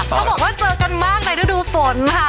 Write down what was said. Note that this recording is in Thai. เขาบอกว่าเจอกันมากในฤดูฝนค่ะ